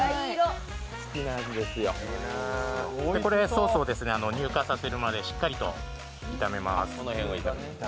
ソースを乳化させるまでしっかりと炒めます。